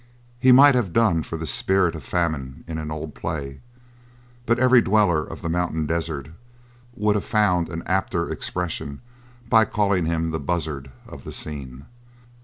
He might have done for the spirit of Famine in an old play; but every dweller of the mountain desert would have found an apter expression by calling him the buzzard of the scene.